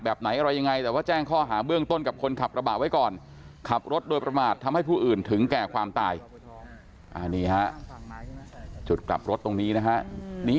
แบบไหนอะไรยังไงแต่ว่าแจ้งข้อหาเบื้องต้นกับคนขับระบะไว้ก่อน